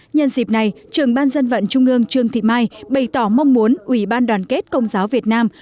nhân dịp này trưởng ban dân vận trung ương trương thị mai bày tỏ mong muốn ủy ban đoàn kết công giáo việt nam